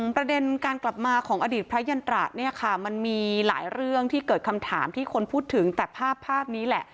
ประเด็นการกลับมาของอดีตพระยันตราเนี่ยค่ะมันมีหลายเรื่องที่เกิดคำถามที่คนพูดถึงแต่ภาพนี้แหละ